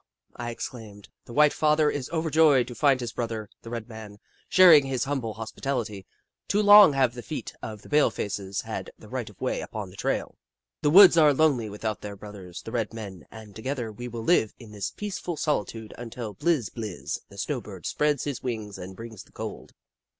I exclaimed. "The White Father is overjoyed to find his brother, the Red Man, sharing his humble hospitality. Too long have the feet of the palefaces had the right of way upon the trail. The woods are lonely without their brothers, the Red Men, and together we will live in this peace ful solitude until Bliz Bliz, the snow bird, spreads his wings and brings the cold.